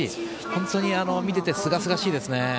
本当に見ててすがすがしいですね。